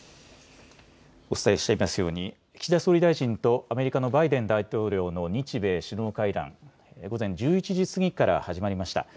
お伝えしていますように岸田総理大臣とアメリカのバイデン大統領の日米首脳会談、午前１１時過ぎから始まりました。